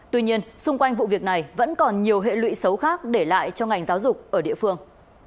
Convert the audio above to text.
tuy nhiên xung quanh vụ việc này vẫn còn nhiều hệ lụy xấu khác để lại cho ngành giáo dục ở địa phương